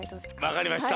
わかりました。